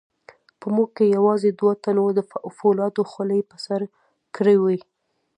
په موږ کې یوازې دوو تنو د فولادو خولۍ په سر کړې وې.